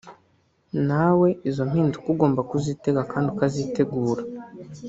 nawe izo mpinduka ugomba kuzitega kandi ukazitegura